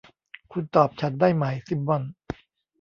คุณตอบฉันได้ไหม ซิมม่อน